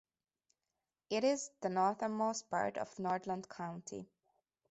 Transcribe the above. It is the northernmost part of Nordland county.